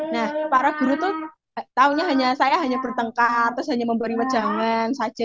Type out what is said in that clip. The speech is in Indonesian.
nah para guru tuh taunya saya hanya bertengkar terus hanya memberi wajangan saja